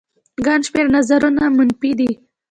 ګڼ شمېر نظرونه منفي دي